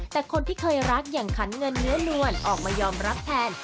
แต่คนที่เคยรักอย่างขันเงินเนื้อนวลออกมายอมรับแทน